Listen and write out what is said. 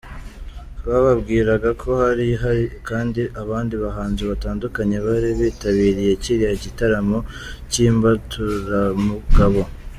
Twababwira ko hari hari kandi abandi bahanzi batandukanye ,bari bitabiriye kiriya gitaramo k’imbaturamugabo.